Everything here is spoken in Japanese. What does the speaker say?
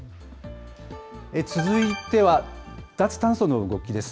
続いては、脱炭素の動きです。